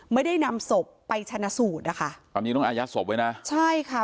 ไม่ได้นำศพไปชนะสูตรนะคะตอนนี้ต้องอายัดศพไว้นะใช่ค่ะ